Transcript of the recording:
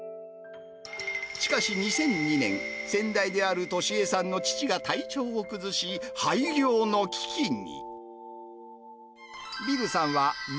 しかし２００２年、先代である智恵さんの父が体調を崩し、廃業の危機に。